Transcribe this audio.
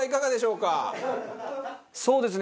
そうですね。